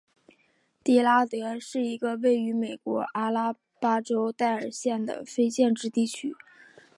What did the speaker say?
迪拉德是一个位于美国阿拉巴马州戴尔县的非建制地区。